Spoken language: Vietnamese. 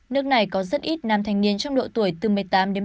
nước này có rất ít nam thanh niên trong độ tuổi từ một mươi tám đến ba mươi